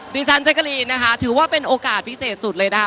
แจ๊กกะรีนนะคะถือว่าเป็นโอกาสพิเศษสุดเลยนะคะ